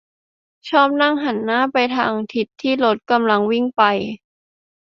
- ชอบนั่งหันหน้าไปหาทิศที่รถกำลังวิ่งไป